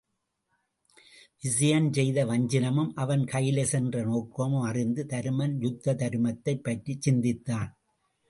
விசயன் செய்த வஞ்சினமும் அவன் கயிலை சென்ற நோக்கமும் அறிந்து தருமன் யுத்த தருமத்தைப் பற்றிச் சிந்தித்தான்.